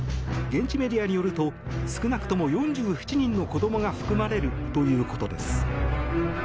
現地メディアによると少なくとも４７人の子供が含まれるということです。